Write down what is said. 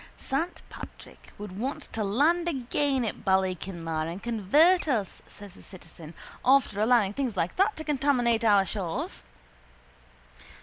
—Saint Patrick would want to land again at Ballykinlar and convert us, says the citizen, after allowing things like that to contaminate our shores.